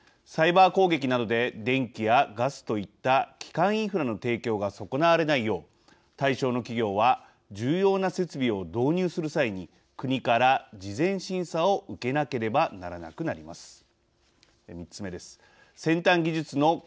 サイバー攻撃などで電気やガスといった基幹インフラの提供が損なわれないよう、対象の企業は重要な設備を導入する際に国から事前審査を受けなければならなくなります。